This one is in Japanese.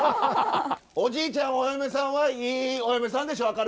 おじいちゃんお嫁さんはいいお嫁さんでしょ